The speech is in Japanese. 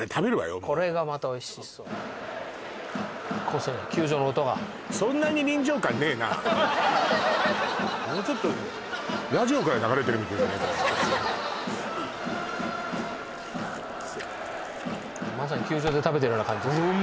もうこれがまたおいしそうで甲子園の球場の音がもうちょっとまさに球場で食べてるような感じですよ